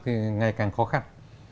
thì ngày càng khó khăn